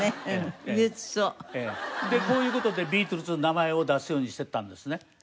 こういう事でビートルズの名前を出すようにしていったんですね。